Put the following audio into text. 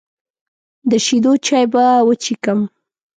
د شیدو چای به وڅښم.